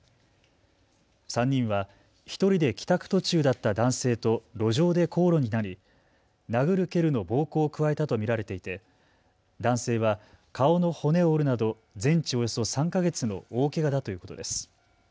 ３人は１人で帰宅途中だった男性と路上で口論になり殴る蹴るの暴行を加えたと見られていて男性は顔の骨を折るなど全治およそ３か月の大けがだということです。